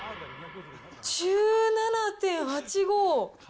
１７．８５。